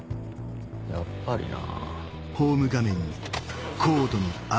やっぱりな。